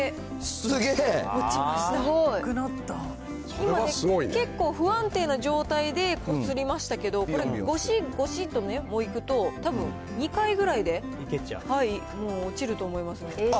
今、結構不安定な状態でこすりましたけど、これ、ごしごしっといくと、たぶん２回ぐらいで、もう落ちると思いますね。